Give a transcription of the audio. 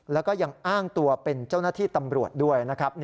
แล้วก็ยังอ้างตัวเป็นเจ้าหน้าที่ตำรวจด้วยนะครับ